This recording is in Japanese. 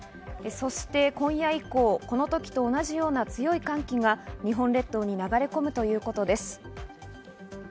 そして今夜以降、この時と同じような強い寒気が日本列島に流れ込むということです。